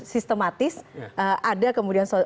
sistematis ada kemudian